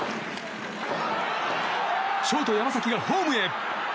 ショート、山崎がホームへ！